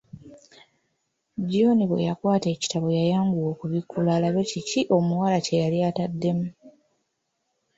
John bwe yakwata ekitabo yayanguwa okubikkula alabe kiki omuwala kye yali ataddemu.